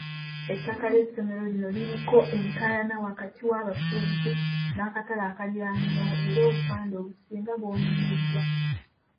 Ettaka ly'essomero lino liriko enkaayana wakati w'abasuubuzi n'akatale akaliraanyewo era obupande obusinga bwonooneddwa.